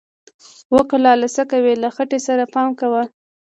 و کلاله څه کوې، له خټې سره پام کوه!